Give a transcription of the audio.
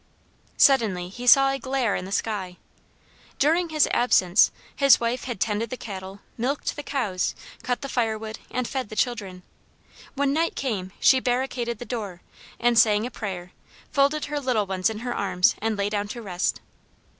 Suddenly he saw a glare in the sky. During his absence his wife had tended the cattle, milked the cows, cut the firewood, and fed the children. When night came she barricaded the door, and saying a prayer, folded her little ones in her arms and lay down to rest.